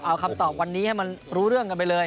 เอาคำตอบวันนี้ให้มันรู้เรื่องกันไปเลย